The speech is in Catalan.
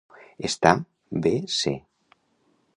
Estar bé ce.